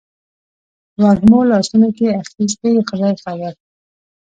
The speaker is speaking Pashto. وږمو لاسونو کې اخیستي خدای خبر